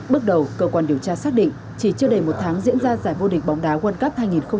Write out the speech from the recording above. bước đầu cơ quan điều tra xác định chỉ chưa đầy một tháng diễn ra giải vô địch bóng đá world cup hai nghìn hai mươi ba